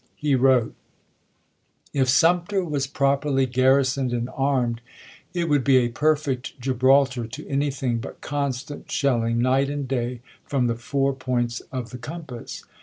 He wrote : If Sumter was properly garrisoned and armed, it would be a perfect Gibraltar to anything but constant shelling night and day from the four points of the com pass.